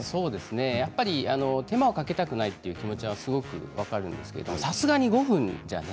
やっぱり手間をかけたくないという気持ちはすごく分かるんですけれどさすがに５分じゃね